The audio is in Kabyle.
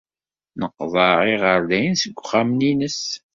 Neqḍeɛ iɣerdayen seg wexxam-nnes.